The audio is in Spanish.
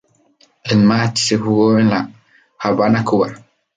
El match se jugó en La Habana, Cuba.